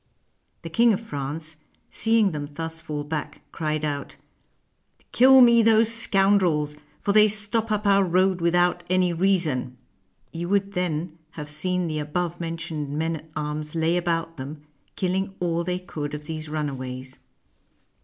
The King of France, seeing them thus fall back, cried out, " Kill me those scoundrels; for they stop up our road without any reason." You would then have seen the above mentioned men at arms lay about them, killing all they could of these runaways.